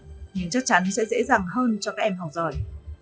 nhưng chắc chắn sẽ dễ dàng hơn cho các em học giỏi